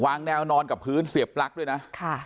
แนวนอนกับพื้นเสียบปลั๊กด้วยนะ